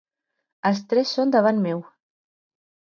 Els tres són davant meu.